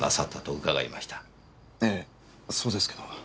ええそうですけど。